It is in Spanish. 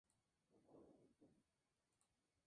La hembra tiene los embriones en el útero sin placenta.